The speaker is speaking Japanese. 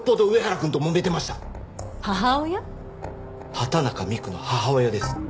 畑中美玖の母親です。